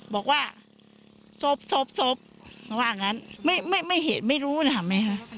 บอกว่าสบสบสบว่างั้นไม่เห็นไม่รู้นะครับ